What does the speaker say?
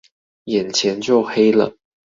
眼前就黑了